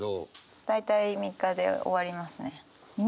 大体３日で終わりますね。